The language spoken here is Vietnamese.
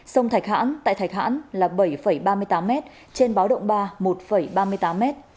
sông thạch hãn tại thạch hãn là bảy ba mươi tám m trên báo động ba một ba mươi tám m